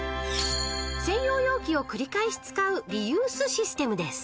［専用容器を繰り返し使うリユースシステムです］